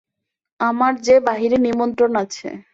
আমার যে বাহিরে নিমন্ত্রণ আছে।